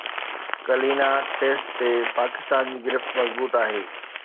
کليلنا test تي پاڪستان جي گرفت مضبوط آهي